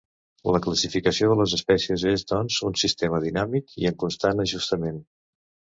La classificació de les espècies és, doncs, un sistema dinàmic i en constant ajustament.